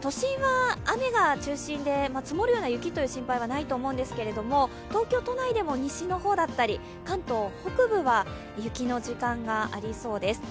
都心は雨が中心で積もるような雪という心配はないと思うんですけど東京都内でも西の方だったり関東北部は、雪の時間がありそうです。